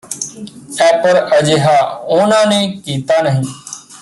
upper ਅਜਿਹਾ ਉਨ੍ਹਾਂ ਨੇ ਕੀਤਾ ਨਹੀਂ